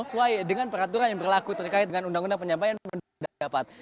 sesuai dengan peraturan yang berlaku terkait dengan undang undang penyampaian pendapat